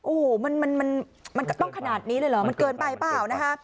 โอ้โหมันก็ต้องขนาดนี้เลยเหรอมันเกินไปเปล่านะคะ